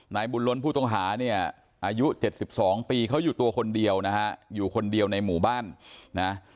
นายบุญล้นผู้ต้องหาเนี่ยอายุ๗๒ปีเขาอยู่ตัวคนเดียวนะฮะอยู่คนเดียวในหมู่บ้านนะ